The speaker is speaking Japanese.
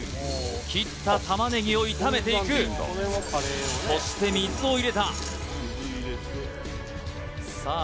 切った玉ねぎを炒めていくそして水を入れたさあ